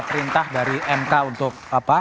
perintah dari mk untuk apa